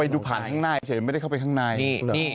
ดูผ่านข้างหน้าเฉยไม่ได้เข้าไปข้างใน